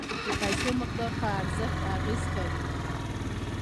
د پیسو مقدار په ارزښت اغیز کوي.